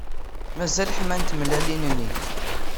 Mazal ḥmant tmellalin-nni.